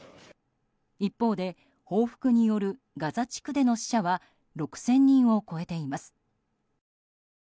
一方で、報復によるガザ地区での死者は６０００人を超えています。